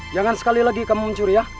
jangan sekali lagi kamu mencuri ya